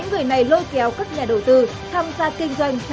người dẫn đường